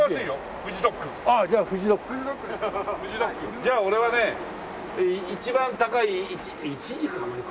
じゃあ俺はね一番高いいちじく